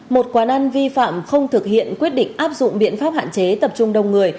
một quán ăn vi phạm không thực hiện quyết định áp dụng biện pháp hạn chế tập trung đông người